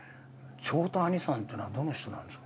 「朝太兄さんっていうのはどの人なんですか？」